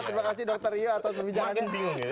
terima kasih dr rio atau terbincangannya